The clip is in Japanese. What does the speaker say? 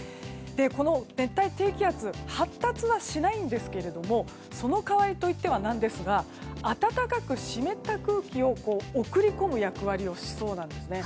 この熱帯低気圧発達はしないんですけれどもそのかわりといってはなんですが暖かく湿った空気を送り込む役割をしそうなんですね。